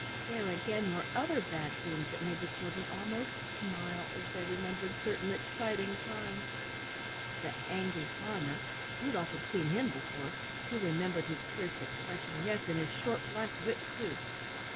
There again, were other Bad Dreams that made the children almost smile as they remembered certain exciting times. The Angry Farmer Rudolf had seen him before; he remembered his fierce expression, yes, and his short black whip, too!